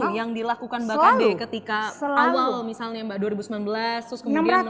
itu yang dilakukan mbak kade ketika awal misalnya mbak dua ribu sembilan belas